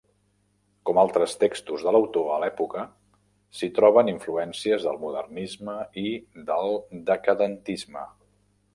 Com altres textos de l'autor a l'època, s'hi troben influències del modernisme i del decadentisme.